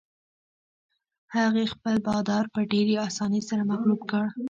هغې خپل بادار په ډېرې اسانۍ سره مغلوب کړ.